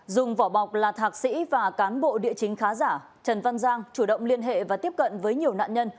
dùng vỏ bọc là thạc sĩ và cán bộ địa chính khá giả trần văn giang chủ động liên hệ và tiếp cận với nhiều nạn nhân